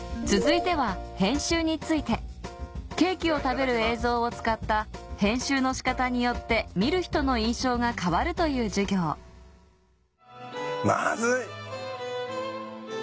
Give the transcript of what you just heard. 続いてはケーキを食べる映像を使った編集の仕方によって見る人の印象が変わるという授業マズイ！